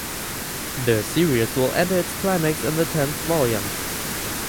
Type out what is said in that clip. The series will enter its climax in the tenth volume.